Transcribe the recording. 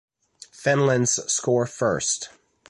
Finland's score first.